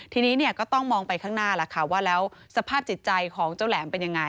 ทีนี้ก็ต้องมองไปข้างหน้าล่ะค่ะว่าแล้วสภาพจิตใจของเจ้าแหลมเป็นยังไง